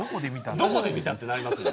どこで見たってなりますから。